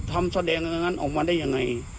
ทำแสดงอย่างนั้นออกมาได้อย่างไร